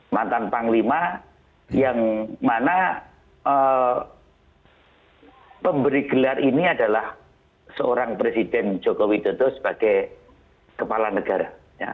mantan panglima yang mana pemberi gelar ini adalah seorang presiden joko widodo sebagai kepala negara